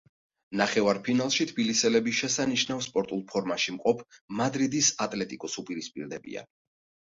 ნახევარფინალში თბილისელები შესანიშნავ სპორტულ ფორმაში მყოფ მადრიდის „ატლეტიკოს“ უპირისპირდებიან.